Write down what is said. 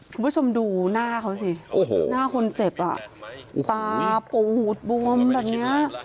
คุณผู้ชมดูหน้าเขาสิหน้าคนเจ็บตาปูดบวมบัตรเนี้ย